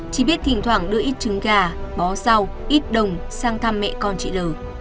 chỉ biết thỉnh thoảng đưa ít trứng gà bó rau ít đồng sang thăm mẹ con chị l